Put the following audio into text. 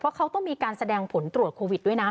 เพราะเขาต้องมีการแสดงผลตรวจโควิดด้วยนะ